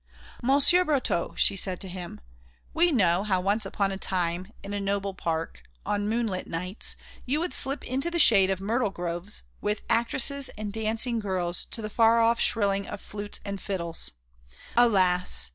"Monsieur Brotteaux," she said to him, "we know how once upon a time, in a noble park, on moonlight nights, you would slip into the shade of myrtle groves with actresses and dancing girls to the far off shrilling of flutes and fiddles.... Alas!